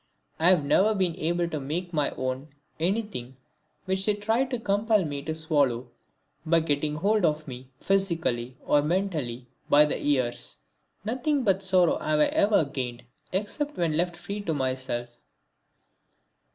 I have never been able to make my own anything which they tried to compel me to swallow by getting hold of me, physically or mentally, by the ears. Nothing but sorrow have I ever gained except when left freely to myself.